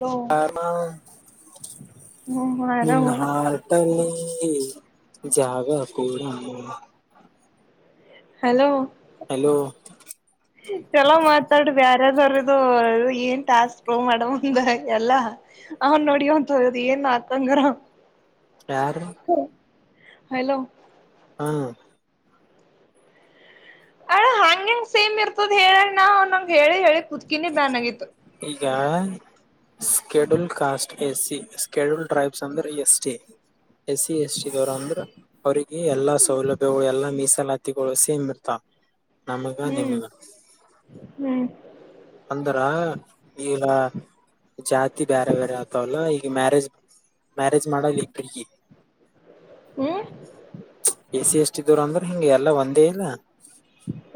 hello ಆಾಮ ಹ್ಮ ಆರಾಮ ನಿನ್ ಹಾಟಲಿ ಜಾಗ ಪೂರ ಹಲೋ ಚಲೋ ಮಾ ದೊ ಯ್ಯಾರಾದ್ರದು ಏನ್ ಟಾಸ್ಕ್ೋ ಮಾಡಮ್ ಅಂದಾಗ ಎಲ್ಲ ಅವನ್ ನೋಡಿ ಒ ಸದ ಏನ್ ನಾತಂಗರ ಯಾರ ಹಲೋ ಹಾ ಅಳ ಹಂಗ ಹೆಂಗ್ ಸೇಮ್ ಇರ್ತದ ಹೇಳಣ ನ ಅವನ್ನಂಗ ಹೇಳಿ ಹೇಳಿ ಕುತ್ಕಿನಿ ಬ್ಯಾನ್ ಆಗಿತ್ತು ಈಗ schedule caste S C schedule tribes ಅಂದ್ರೆ ಎಸ್ ಟಿ ಎಸ ಎಷ್ಟಿದವರ ಅಂದ್ರ ಅವ್ರಿಗೆ ಎಲ್ಲಾ ಸೌಲಭ್ಯಗಳು ಎಲ್ಲಾ ಮೀಸಲಾತಿಗಳು ಸೇಮ್ ಇರ್ತಾವ ನಮಗ ಹ್ಮ್ ನಿಮಗ ಹ್ಮ್ ಅಂದ್ರ ಈಗ ಜಾತಿ ಬೇರೆ ಬೇರೆ ಆಗ್ತವಲ್ಲ ಈಗ ಮ್ಯಾರೇಜ್ ಮ್ಯಾರೇಜ್ ಮಾಡಲ್ ಇಬಗಿ ಹ್ಮ್ ಎಸ ಎಷ್ಟಟಿ ದೂರ ಅಂದ್ರೆ ಹೆಿಂಗೆ ಎಲ್ಲ ಒಂದೇ ಇಲ್ಲ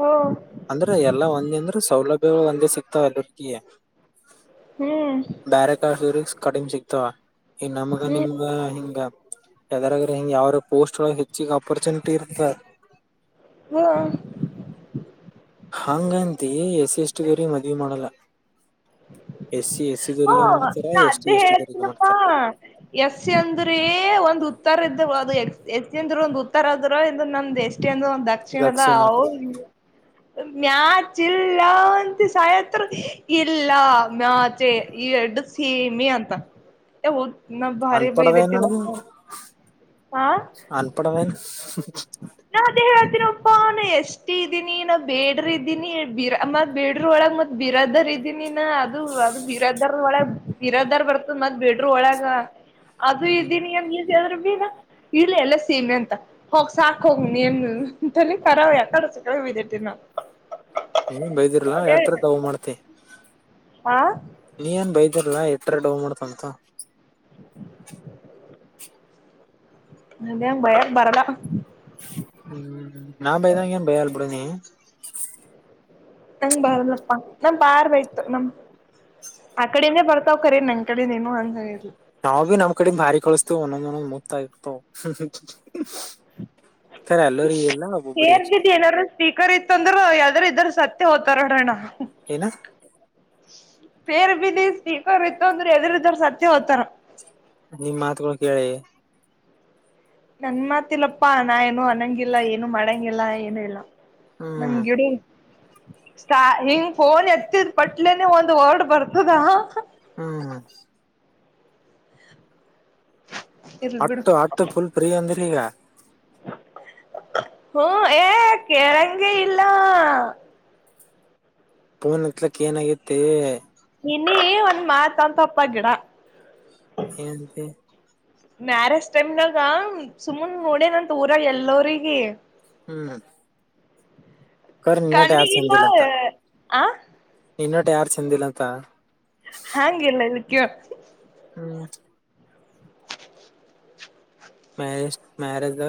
ಓ ಅಂದ್ರೆ ಎಲ್ಲ ಒಂದ ಅಂದ್ರ ಸೌಲಭ್ಯ ಒಂದೇ ಸಿಕ್ತಾವ ಎಲ್ಕ ಹ್ಮ್ ಬ್ಯರೆಕ ಸೂರಿಸ್ ಕಡಿಮ ಸಿಗ್ತ ಈ ನಮ್ಗ ಹ್ಮ್ ನಿಮ್ಗ ಹಿಂಗ ಯದಾರ್ರ ಹಂಗ ಯಾವಾರ ಪೋಸ್ಟ್ ಹೆಚ್ಚಿಗೆ ಅಪರ್ಚುನಿಟಿ ಟ್ಟರ್ಬ ಹ ಹಂಗಂತ ಎಸ್ ಎಸ್ಗರಿ ಮದುವೆ ಮಾಡಲ್ಲ ಎಸ ಹ ನಾ ಅದೇ ಹೇಳತನಪ್ಪಾ ಮಾಡ್ತಾರ ಎಸ್ ಅಂದ್ರೆ ಒಂದ್ ಉತ್ತರ ಇದ್ದ ಎಚ್ಚ ಒಂದು ಉತ್ತರ ಆದ್ರ ಇ ನಂದುಷ್ಟ ಅಷ್ಟ ಅಂದು ಒಂದ್ ದಕ್ಷಿಣದ ದಕ್ಷಿಣ ಅವ ಅಂತ ಮ್ಯಾಚಿಲ್ಲಂತ ಸಾಯತ್ ಇಲ್ಲ ಮಚೆ ಈ ಎಡು ಸಿೀಮೀ ಅಂತ ನ ಭಾರಿ ಬೈದ ಇಟ್ಟಿದ ಅನ್ಪಡವೇನು ನಾ ಅದೇ ಹೇಳತೀರ ಹಾನ ಎಷ್ಟು ಇದ್ದೀನಿ ನಾ ಬೇಡ್ರ ಇದ್ದೀನಿ ಬಿರ ಮ ಬೇಡ್ರ ಒಳಗೆ ಮತ್ತ ಬಿರದರ್ ಇದ್ದೀನಿ ಅದು ಅದು ಬೀರದಾರ್ ಒಳ ಬೀರದಾರ್ ಬರ್ತದ ಮದ ಬಿಡ್ರ ಒಳಗ ಅದು ಇದೀನಿ ಏನ್ ನೀ್ರರು ಭಗ ಇಲ್ಲ ಎಲ್ಲ ಸೇಮ ಅಂತ ಹೋಗ್ ಸಾಕ ಹೋಗ ನೀನ್ ಅಂತ ಖರಾವ ಯ ಕರಸಡೆ ಹಿದೇತಿ ನ ನೀ ಬೈದಿರ್ಲಾ ಎಟ್ರಕ್ಗ ಮಾಡ್ತ ಆಾ ನೀ ಏನ್ ಬೈದರ್ಲ್ಲಾ ಎಟ್ರ ಡವ ಮಾಡ್ತಂತ ಅದೇ ಭಯ ಬರದಾ ಹ್ಮ್ ನಾ ಭಯದಾ ಏನ್ ಭಯಲ್ ಬಿಡ ನೀ ಹಂಗ್ ಬಾರಲ್ಲಪ್ಪ ನಮ ಪಾರ್ ಬಯ್ತು ನಮ ಆ ಕಡೆನೇ ಬರ್ತಾವ ಕರೇ ನನ್ ಕಡೆನೇನು ಅಂದಿಲ್ಲ ನಾವವು ಬಿ ನಮ್ ಕಡೆಿಂದ ಭಾರಿ ಕಳಸ್ತೇವ ಒಂದೊಂದ್ ಒಂದೊಂದ್ ಮೂದತ ಇರ್ತವ ಸೇರ್ತಿದ ಏನಾದೂ ಸ್ಪೀಕರ್ ಇತ್ತ ಅಂದ್ರ ಯಾವದ್ರ ಇದ್ರ ಸಾತಿ ಮ ಹೊತಾರಡಣ ಏನ ಸೇರ್ ಬದಿ ಸ್ಪೀಕರ್ ಇತ್ತು ಅಂದ್ರೆ ಎದ್ರ ಇದ್ರ ಸತ್ಯ ಹೋ್ತಾರ ನಿಮ ಮಾತುಗಳು ಕೇಳಿ ನನ್ ಮಾತಿಲ್ಲಪ್ಪಾ ನಾ ಏನು ಅನ್ನಂಗಿಲ್ಲ ಏನು ಮಾಡಂಗಿಲ್ಲ ಏನು ಇಲ್ಲ ಹ್ಮ್ ನಮಗೆಿಡ ಸ ಹಿಂಗ್ ಫೋನ್ ಎತ್ತಿದ್ ಪಟ್ಲೆೇನೆ ಒಂದ್ ವರ್ಡ್ ಬರ್ತದ ಹ್ಮ್ ಹ್ಮ ಇರ್ಲ್ ಬಿಡು ಹತ್ತು ಹತ್ತು ಫುಲ್ ಫ್ರೀ ಅಂದ್ರಿ ಈಗ ಹ್ಮಞ ಏ ಕೆಳಂಗ ಇಲ್ಲಾ ೋನ್ ಹತ್ಲಕ್ಕ ಏನಗತ್ತ ಇನ್ನಿ ಒಂದ್ ಮಾತ್ ಅಂತ ಅಪ್ಪ ಗಿಡ ಏನಂತಿ ಮ್ಯಾರೇಜ್ ಟೈಮ್ನಾಗ ಸುಮನ್ ನೋಡನತ್ ಊರ ಎಲ್ಲಗ ಹ್ಮ್ ಹ್ಮ್ ಕರ್ ನಿನ್ನಟ ಯಾರು ಕಣ್ಣಿಗಿಲ್ಲ ಚಂದಿಲ್ಲಂತ ಆ ನಿನ್ನಟ ಯಾರ್ು ಚಂದಿಲ್ಲಂತ ಹಾಂಗ ಇಲ್ಲ ಇಲ್ಲಿಕ್ಕ ಹ್ಮ್ ಮ್ಯಾರಜ್ ಮ್ಯಾರೇಜ್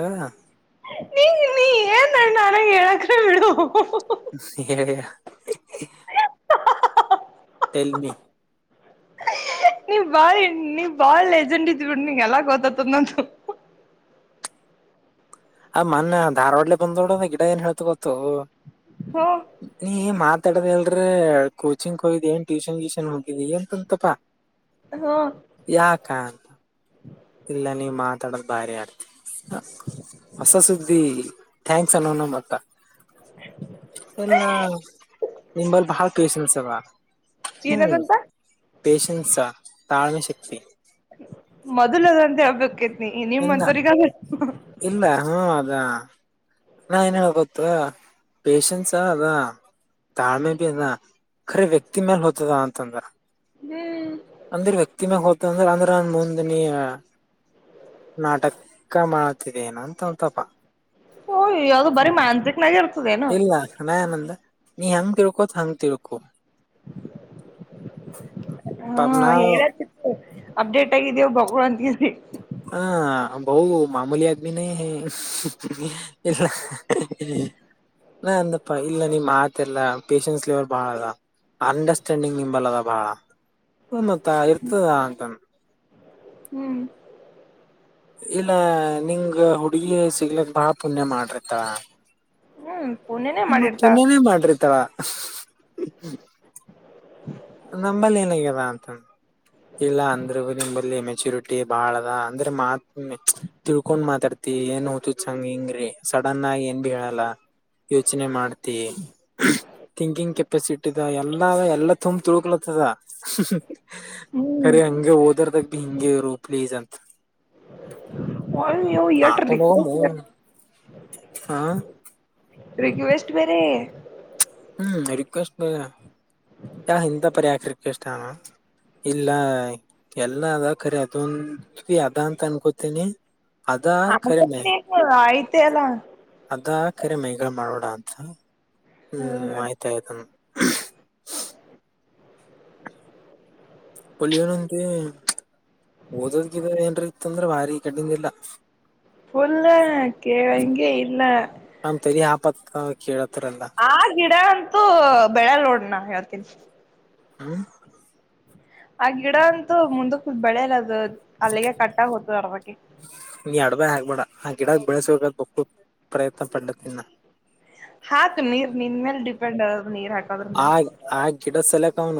ನೀ ನೀ ಏನ್ ನ ನನಗೆ ಹೇಳಕ ಬಿಡು ಸ ತಲ್ಮಿ ಹ ನೀವ್ ಬಾಳ ನೀ್ ಬಾಳ ಲೆಜೆಂಡ್ ಇದ ನೀಗೆ ಎಲ್ಲ ಗೋತತಂದ್ದದು ಆ ಮೊನ್ನ ಧಾರ್ವಾಡ್ಲೆ ಬಂದೋಡ ಗಿಡ ಏನ್ ಹೇಳ್ತ ಗೊತ್ತು ಹ್ಮ ನೀ ಮಾತ್ ತ್ತಡದ ಎಲ್ರ ಕೋಚಿಂಗ್ ಹೋಗ್ ಏನ್ ಟ್ಯೂಷನ್ ್ಯೂಷನ್ ಹೋಗಿದೆಿ ಂತಂತಪಾ ಹ್ಮ ಯಕ ಇಲ್ಲ ನೀ್ ಮಾತಾಡದ್ ಭಾರಿ ಆರ್ತ ಹ ಹೊಸ ಸುದ್ದಿ ಥ್ಯಾಂಕ್ಸ್ ಅನ್ನೋಣ ಮತ್ತ ಇಲ್ಲ ನಿಮಲ್ಲಿ ಬಾಳ್ ಕಸನ್ಸವಾ ಹ್ಮ್ ಏನದಂತ ಪೇಷನ್ಸ್ ತಾಳ್ಮೆ ಶಕ್ತಿ ಮೊದಲದಂತ ಹಬ್ಬಕ್ೇತ್ನ ಇಲ್ಲ ನಿಮ್ಮಂತವ್ರಗ ಹದಾ ನಾ ಏನ್ ಹೇಳ್ ಗೊತ್ತ ಪೇಶನ್ಸ ಅದ ತಾಳ್ಮೆ ಬಿ ಅದ ಖರೆ ವ್ಯಕ್ತಿ ಮೇಲ್ ಹತದ ಅಂತಂದ್ರ ಹ್ಮ್ ಅಂದ್ರೆ ವ್ಯಕ್ತಿ ಮ್ಯಾಗ ಹತ ಅಂದ್ರೆ ಅಂದ್ರ ನನ್ ಮುಂದಿನಿ ನಾಟಕ ಮಾಡ್ತಿದ್ದ ಏನ ಅಂತ ಅಂತಪ ಹಓ್ ಯಾವವು್ದ ಬಾರಿ ಮಾನ್ಸಿಕಕ್ನಾಗೆ ಇರ್ತ ಇಲ್ಲ ನನಯ ಆನಂದ ನೀ ಹೆಂಗ ತಿರ್ಕೋತ್ ಹಂಗ್ ತಿರ್ಕೊ ಹಾ ಪಾಪ ನಾವ್ ಹೇಳತ್ತು ಅಪ್ಡೇಟ್ ಆಗಿದೇವು ಬಗ ಅಂತಿದಿ ಹಾ ಬೌ ಮಾಮೂಲಿ ಆದಮಿ ನ ಹ ಎಲ್ಲ ಹಾ ಅಂದಪ್ಪ ಇಲ್ಲ ನಿಮ್ ಆತ ಎಲ್ಲಾ ಪೇಶನ್ಸ್ ೇವಲ್ ಬಾಳ ಅದ ಅಂಡರ್ಸ್ಟ್ಯಾಂಡಿಂಗ್ ನಿಂಬಲ್ಲದ ಬಾಳ ಮತ್ತ ಇರ್ತದ ಅಂತ ಹ್ಮ್ ಇಲ್ಲ ನಿಂಗ ಹುಡುಗಿ ಸಿಗ್ಲಕ್ ಬಾ ಪುಣ್ಯ ಮಾಡ್ರಿತ್ತ ಹ್ಮ ಮ್ಮ ಪುನನೇ ಮಾಡ್ರಿತಳ ನಂಬಲ್ಲಿ ಏನಗ್ಯಾರ ಅಂತ ಇಲ್ಲ ಅಂದ್ರಗೂ ನಿಂಬಲ್ಲಿ ಚುರುಟಿ ಬಾಳದ ಅಂದ್ರೆ ಮಾತ್ ತಿಳ್ಕೊಂಡ್ ಮಾತಾಡ್ತಿ ಏನ್ ಹತ ಚಂಗ ಹಿಂಗ್ರೀ ಸಡನ್ ಆಗಿ ಏನ್ ಬಿ ಹೇಳಲ್ಲ ಯೋಚನೆ ಮಾಡ್ತಿ ಥಿಂಕಿಂಗ್ ಕೆಪಾಸಿಟಿಿದ ಎಲ್ಲ ಎಲ್ಲಾ ತುಂಬ ತುಳ್ಕಲತ್ತದ ಹ್ಮ್ ಖರಿ ಹಂಗೆ ಓದರ್ದಾಗ ಬಿ ಹಿಂಗಗೆ ಇರು ಪ್ಲೀಸ್ ಅಂತ ಹ ನೀವು ಎಟ ಮಾಡ್ಕೊಂಡ್ ಹೋಗಮು ಹಾ ರಿಕ್ವೆಸ್ಟ್ ಬೇರೆ ಹ್ಮ ರಿಕ್ವೆಸ್ಟ್ ಯ ಇಂತ ಪರಿ ಯಾಕ್ ರಿಕ್ವೆಸ್ಟ್ ಅಣ ಇಲ್ಲ ಎಲ್ಲ ಅದ ಖರಿ ಅದೊಂದು ಅದ ಅಂತ ಅನ್ಕೋತೀನಿ ಅದ ಖರೆ ಆಯ್ತನು ಆಯ್ತೆ ಅಲ್ಲ ಅದ್ಕ್ ಕೆರೆ ಮೈಗಾ ಮಾಡೋದ ಅಂತ ಹ್ಮ್ ಆಯ್ತ ಆಯ್ತಾ ಪಲ್ಲಿವನಂತೆ ಓದೋದ್ ಗಿದೋದ್ ಏನ್ರಿ ಇತ್ತ ಅಂದ್ರೆ ಬಾರಿ ಈ ಕಡ್ಡಿಂದ ಇಲ್ಲ ಫುಲ್ಲು ಕೇಳಂಗೆ ಇಲ್ಲ ಹ್ ತರಿ ಹಾಪತ್ ಕೇಳದ್ ಆ ಗಿಡ ಅಂತೂ ಬೆಳೆಲ್ ನೋಡ್ಣ ಹೇಳ್ತೀನಿ ಹ ಆ ಗಿಡ ಅಂತೂ ಮುಂದಕ್ ಬೆಳೆಲ್ಲ ಅದು ಅಲ್ಲಿಗೆ ಕಟ್ಟಾಗುತ್ತ ಅರ್ಧಕ್ಕಿ ನೀ ಅಡ್ಬಾಯ್ ಆಗ್ಬೇಡ ಆ ಗಿಡ ಬೆಳೆಸ್ಬೇಕ್ ಬಕ್ಕು ಪ್ರಯತ್ನ ಪಡತಿನ್ ನ ಹಾತು ನೀರ್ ನಿನ್ ಮೇಲ್ ಡಿಪೆಂಡ್ ಆದು ನೀರ್ ಹಾಕದ್ರ ಮೇಲೆ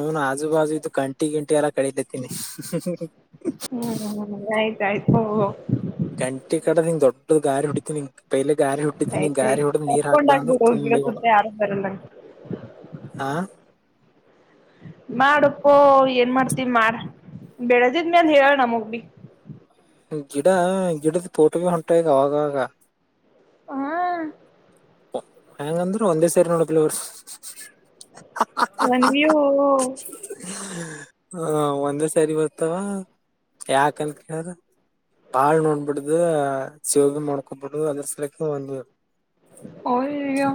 ನನು ಆಜು ಬಾಜು ಇದು ಗಂಟಿ ಗಿಂಟಿ ಎಲ್ಲಾ ಕಳಿ ಕತೀನಿ ಹ್ಮ್ ಆಯ್ತಾಯ್ತು ಹೊ ಗಂಟಿ ಕಡಿಂಗ್ ದೊಡ್ಡ ಗಾರಿ ಹೊಡಿತೀನಿ ಪೈಲೆ ಗಾರಿ ಹೊಡ್ದಿತೀನಿ ಗಾರಿ ಆಯ್ತಾಯ್ತು ಹುಡ್ದ್ ನೀರ್ ಹಾಕ್ದ ಅಂದ್ರ ಕರ್ಕೊಂಡಾಗ್ಬಿಡು ಗಿಡ ತುಂಬಿ ಕಬ ಸುತ್ತ ಯಾರು ಬರಲ್ಲ ಹ ಮಾಡಪ್ಪೋ ಏನ್ ಮಾಡ್ತಿವಿ ಮಾಡ ಬೆಳೆದಿದ್ಮೇಲ್ ಹೇಳ ನಮಗ್ ಬಿ ಗಿಡ ಗಿಡದ ತೋಟಗಳ್ ಹೊಂಟದವಾ ಅವಾಗಾಗ ಹಾ ಹೆಂಗಂದ್ರು ಒಂದೇ ಸೇರಿ ನೋಡದಿಲ್ ವಸ್ ನನ್ಗಿವು ಹ ಒಂದೇ ಸರಿ ಬರ್ತಾವ ಯಾಕ ಅಲ್ ಕೇಳ್ರ ಬಾಳ್ ನೋಡ್ಬಿಡ್ದ ಸೇವ ಮಾಡ್ಕೊಬಿಡು ಅದ್ರಸಲಕ್ಕೆ ಒಂದ ಹೊಯ್ ಯೋ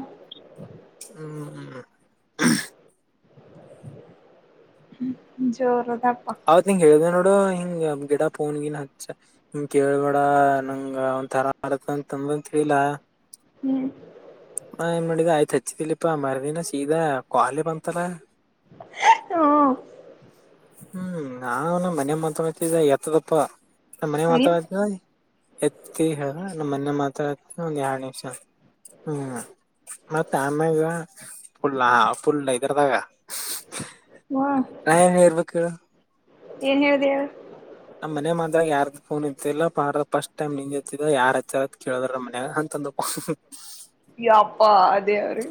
ಹ್ಮ ಹು ಜೋರು ಅವತ್ ನಿಂಗ್ ಹೇಳಿದೆ ನೋಡ ಹಿಂಗ ಗಿಡ ಪೋನ್ಗಿನ್ ಹಚ್ಚ ಹಂಗ ಕೇಳ್ಬೇಡ ನಂಗ ಒಂತರ ಅಗತೆ ಅಂತ ನ ಹ್ಮ್ ಏನ್ ಮಾಡಿದೆ ಆಯ್ತ ಚಚ್ಚ ತಿಲಪ್ಪಾ ಮರದಿನ ಸೀದಾ ಕ್ವಾಲಿ ಬಂತಾಲ ಹೂ ಹ್ಮ್ ನಾವ ಮನೆ ಮಾತಾಡ್ತಿದ್ದ ಎತ್ತದಪ್ಪ ನಮ್ ಮನೆ ನೀ ಮಾತಾಡತ ನೋಡ್ ಎತ್ತಿ ನಮ್ಮ್ ಮೊನೆ ಮಾತಾಡತಿ ಒಂದ ಎರಡ್ ನಿಮಿಷ ಹ್ಮ್ ಮತ್ತೆ ಆಮ್ಯಾಗ ಫುಲ್ಲ ಅಫುಲ್ ಇದ್ರದಾಗ ಹಾ ನಾ ಏನ್ ಹೇಳ್ಬೇಕ ಹೇಳ ಏನ್ ಹೇಳ್ದಿ ಹೇಳು ನಮ್ಮನೆ ಮಾಡ್ದಗ ಯಾರ್ದ ಫೋನ್ ಎತ್ತಿಲ್ಲ ಮಾಡ್ದೆ ಫಸ್ಟ್ ಟೈಮ್ ನಿಂಗ್ ಹತ್ತಿದ ಯಾರ್ ಹಚ್ಚತ್ ಕೇಳಿದ್ರ ನಮ್ಮ ಮನೆಯಾಗ ಅಂದ್ರು ಹುಹುಹು ಯಪ್ಪ ದೇವ್ರಿ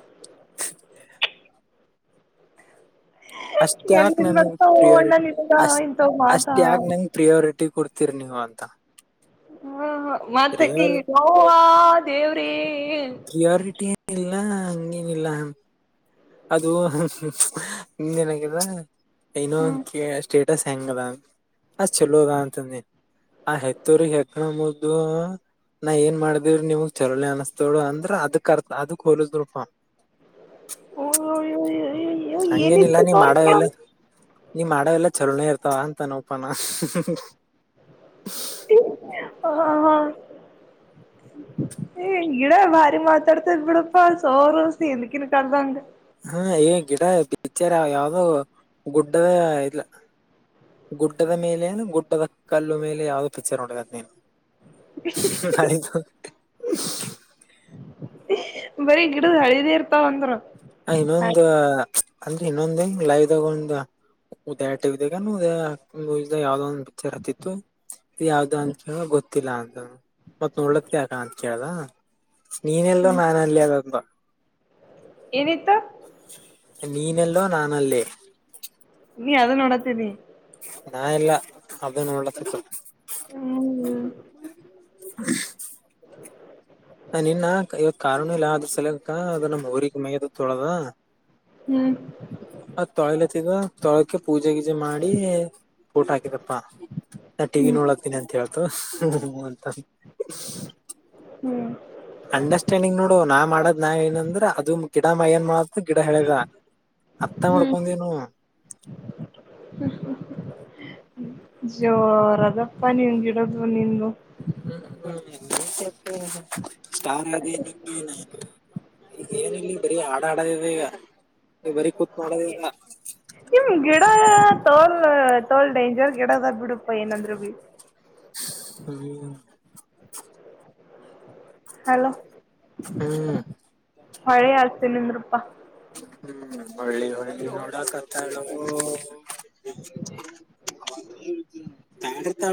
ಅಷ್ಟ ಯಾಕ ಎಲ್ಲಿಂದ ನನ್ಗೆ ಬರ್ತಾವ ಅಣ್ಣ ಪ್ರಿಯೋರಿಟಿ ನಿನ್ಗ ಅಷ್ಟ ಇಂತವ್ ಮಾತ ಅಷ್ಟ ಯಾಕ ನನ್ಗೆ ಪ್ರಿಯೋರಿಟಿ ಟ್ಟಿ ಕೊಡ್ತೀರಿ ನೀವು ಅಂತ ಹಾ ಹ ಮತ್ತ ಕಿ ಪ್ರಿಯಾರಿ ಯವ್ವಾ ದೇವ್ರೆ ಪ್ರಿಯಾರಿಟಿ ಏನು ಇಲ್ಲ ಹಂಗೇನ್ ಇಲ್ಲ ಅದು ಹಿಂದೇಏನಾಗಿದೆ ಎನೋ ಹ್ಮ್ ಒಂದ್ ಸ್ಟೇಟ್ ಹೆಂಗದನೋ ಆ ಚೆಲೋ ಅದ ಅಂತ ಅಂದಿನಿ ಆ ಹೆತ್ತೊರಿಗೆ ಹೆಗಣ ಮುದ್ದು ನಾ ಏನ್ ಮಾಡಿದಿವ್ರಿ ನಿವು ಚಲೋನಿ ಅನ್ನುಸ್ತೋಳು ಅಂದ್ರ ಅದಕ್ ಅರ್ ಅದಕ್ ಹೋಲದ್ರು ಕೊ ಅನಿಂಟೆಲಿಜಬಲ್ ಹಂಗೇನಿಲ್ಲ ಏನಿತ್ತು ನೀ ಮಾಡೋವೆ ಎಲ್ಲ ತೋರ್ಸ್ಕೊಳಮ್ ನೀ ಮಾಡ ಎಲ್ಲ ಚಲೋನೇ ಇರ್ತಾವ ಅಂತ ನೋಪಾನ ಹಾ ಹಾ ಏ ಗಿಡ ಭಾರಿ ಮಾತಾಡ್ತ ಇ ಬಿಡಪ್ಪ ಸೋರೋಸಿ ಎಕಿನ ಕದಂಗ ಹಾ ಏ ಗಿಡ ಬೀಚರ್ ಯಾವ್ದೋ ಗುಡ್ಡದೇ ಇಲ್ಲ ಗುಡ್ಡದ ಮೇಲೆನು ಗುಡ್ಡದ ಕಲ್ಲು ಮೇಲೆ ಯಾವ್ದೋ ಪಿಕ್ಚರ್ ನೋಡಬೇಕದ ನೀನು ಸ [unintelligible] ಬರೀ ಗಿಡದ ಹಳಿದಿ ಇರ್ತಾವ ಅಂದ್ರ ಇನ್ನೊಂದು ಅಂದ್ರೆ ಇನ್ನೊಂದ ಲೈವ್ಾಗ ಒಂದು ಉದಯ ಟಿದಾಗ ಉ ಯಾವ್ದೊಂದ ರತಿತ್ತು ಯಾವ್ದ ಅಂತ ಹೇಳೇಳ ಗೊತ್ತಿಲ್ಲ ಅ ಮತ್ತತ್ ನೋಡ್ಲಕ್ಕೆ ಯಕ ಅಂತ ಕದ ನೀನ್ ಎಲ್ಲೋ ನಾನು ಅಲ್ಲಿ ಅದಂತ ಏನಿತ್ತ ನೀನಲ್ಲೋ ನಾನ ಅಲ್ಲೇ ನೀ ಅದ ನೋಡತೀನಿ ನಾ ಎಲ್ಲ ಅದ ನೋಲಕ್ಕ ಹ ಹ್ಮ್ ಹ ನಿನ್ನ ಇವತ್ ಕಾರಣೂ ಇಲ್ಲ ಆದ್ರ ಸಲಯಕ ಅದು ನಮ್ಮ್ ಊರಿಗೆ ಮೈದ ತೊಳದ ಹ್ಮ್ ಅ ತೊಳಲತಿದ ತೊಳಕೆ ಪೂಜೆ ಗೀಜೆ ಮಾಡಿ ೋಟ ಹಾಕಿದಪ್ಪ ನಾ ಟಿ ಹ್ಮ್ ನೋಡಾಕ್ತೀನಿ ಅಂತ ಹ ಹೇಳ ಬತ ಮಾಡದ್ ನಾವ ಏನಂದ್ರೆ ಅದು ಗಿಡ ಮೈಯಏನ್ ಮಾಡು ಗಿಡ ಹೇಳದ ಅತ್ತ ಹ್ಮ್ ಮಾಡ್ಕೊಂಡೇನು ಜೋರ ಅದಪ್ಪಾ ನೀನ್ ಗಿಡದ ನಿನ್ ಹ್ಮ್ ಹ್ಮ್ ಸ್ಟಾರ್ ಅ ನಿಮಗೆ ಏನಯ್ು ಈಗ ಏನ ಇಲ್ಲಿ ಬರೀ ಆಡ ಆಡೋದಿದೆ ಈಗ ನೀ ಬರೀ ಕೂತ್ ಆಡದಿಲ್ಲ ನಿಮ್ ಗಿಡ ಗಿಡದಾದ್ ಬಿಡಪ್ಪಾ ಏನಂದ್ರು ಬಿ ಹ್ಮ ಹಲೋ ಹೊಳೆ ಆತೇ ನಿಮ್ರೂಪ್ಪಾ ಹ್ಮ್ ಒಳ್ಳಿ ಒ ನೋಡಕತ್ತ ತಾಂಡ ತ ಆಳು